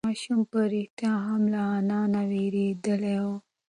ایا ماشوم په رښتیا هم له انا نه وېرېدلی و؟